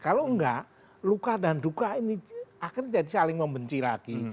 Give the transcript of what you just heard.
kalau enggak luka dan duka ini akhirnya jadi saling membenci lagi